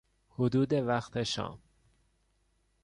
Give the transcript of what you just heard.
حدود وقت شام